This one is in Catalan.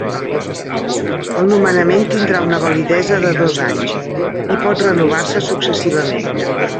El nomenament tindrà una validesa de dos anys, i pot renovar-se successivament.